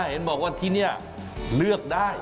เห็นบอกว่าที่นี่เลือกได้